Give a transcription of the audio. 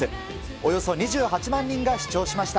およそ２８万人が視聴しました。